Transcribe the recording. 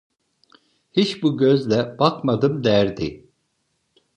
"Hiç bu gözle bakmadım!" derdi.